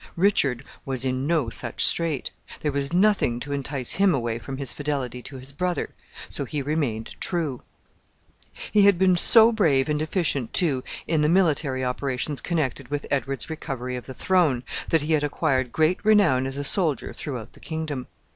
Richard was in no such strait. There was nothing to entice him away from his fidelity to his brother, so he remained true. He had been so brave and efficient, too, in the military operations connected with Edward's recovery of the throne, that he had acquired great renown as a soldier throughout the kingdom.